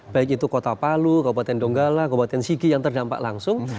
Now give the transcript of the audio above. baik itu kota palu kabupaten donggala kabupaten sigi yang terdampak langsung